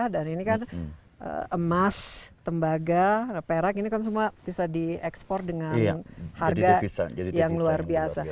dan ini kan emas tembaga perak ini kan semua bisa diekspor dengan harga yang luar biasa